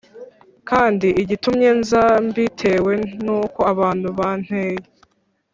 kandi igitumye nza mbitewe n uko abantu banteye